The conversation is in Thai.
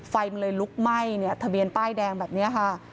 ไฟมันเลยลุกไหม้เนี่ยทะเบียนป้ายแดงแบบนี้ค่ะ